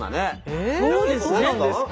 えそうなんですか？